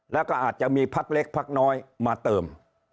แล้วก็อาจจะมีภักดิ์เล็กภักดิ์น้อยมาเติม